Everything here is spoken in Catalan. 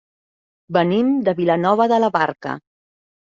Venim de Vilanova de la Barca.